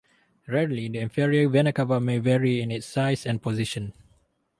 Rarely, the inferior vena cava may vary in its size and position.